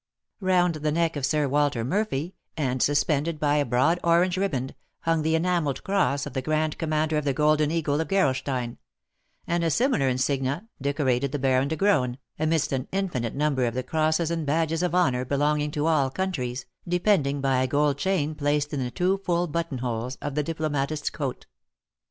Round the neck of Sir Walter Murphy, and suspended by a broad orange riband, hung the enamelled cross of the grand commander of the Golden Eagle of Gerolstein; and a similar insignia decorated the Baron de Graün, amidst an infinite number of the crosses and badges of honour belonging to all countries, depending by a gold chain placed in the two full buttonholes of the diplomatist's coat.